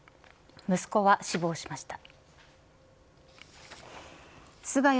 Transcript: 息子は死亡しました。